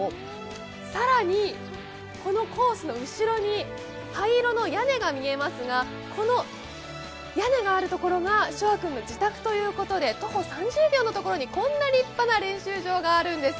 更に、このコースの後ろに灰色の屋根が見えますが、この屋根のあるところが翔海君の自宅ということで徒歩３０秒のところに、こんな立派な練習場があるんです。